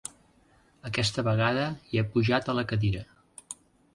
Aquesta vegada ni he pujat a la cadira.